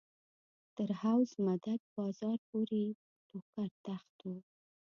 تر حوض مدد بازار پورې ټوکر دښت و.